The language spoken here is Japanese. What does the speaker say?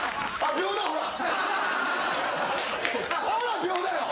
秒だよ。